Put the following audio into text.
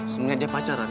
sebenernya dia pacaran